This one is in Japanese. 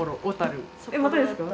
またですか？